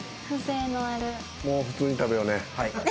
もう普通に食べようね。